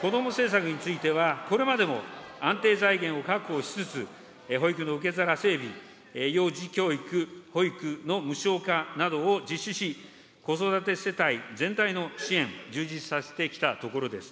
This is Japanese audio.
子ども政策については、これまでも安定財源を確保しつつ、保育の受け皿整備、幼児教育、保育の無償化などを実施し、子育て世帯全体の支援、充実させてきたところです。